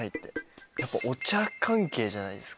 やっぱお茶関係じゃないですか？